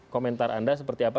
komentar anda seperti apa